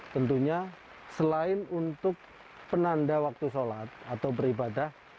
tentunya selain untuk penanda waktu sholat atau beribadah